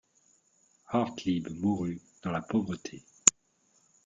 Hartlib mourut dans la pauvreté.